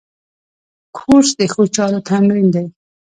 کورس د ښو چارو تمرین دی.